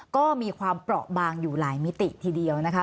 ก็มีความเปราะบางอยู่หลายมิติทีเดียวนะคะ